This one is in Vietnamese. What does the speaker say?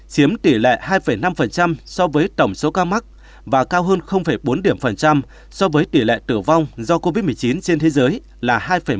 chiếm tỷ lệ hai năm so với tổng số ca mắc và cao hơn bốn điểm phần trăm so với tỷ lệ tử vong do covid một mươi chín trên thế giới là hai một